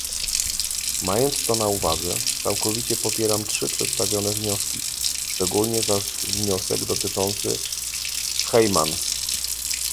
Mając to na uwadze, całkowicie popieramy trzy przedstawione wnioski, szczególnie zaś wniosek dotyczący Heijmans